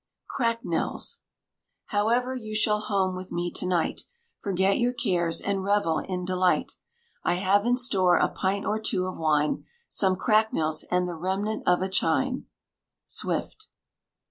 CRACKNELS. However, you shall home with me tonight, Forget your cares, and revel in delight; I have in store a pint or two of wine, Some cracknels, and the remnant of a chine. SWIFT.